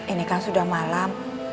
ini kan sudah malam